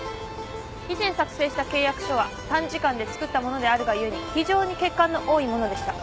以前作成した契約書は短時間で作ったものであるが故に非常に欠陥の多いものでした。